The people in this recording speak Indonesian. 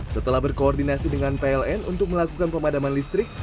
setelah berkoordinasi dengan pln untuk melakukan pemadaman listrik